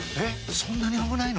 そんなに危ないの？